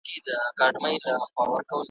څومره ډیر مي انتظار و اشتیاق و